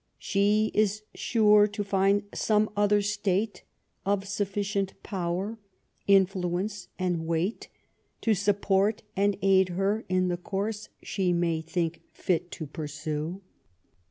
She is sure to find some other State of sufScient power, influence, and weight to suppoii; and aid her in the course she may think fit to pursue.